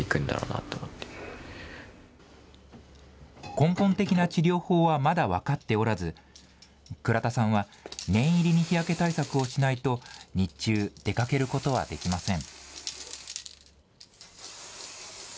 根本的な治療法はまだ分かっておらず、倉田さんは念入りに日焼け対策をしないと日中、出かけることはできません。